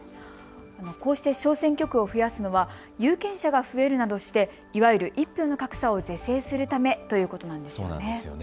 こうして小選挙区を増やすのは有権者が増えるなどしていわゆる１票の格差を是正するためということなんですよね。